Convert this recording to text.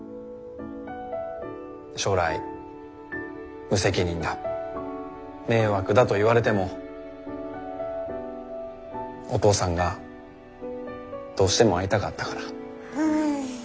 将来無責任だ迷惑だと言われてもお父さんがどうしても会いたかったから。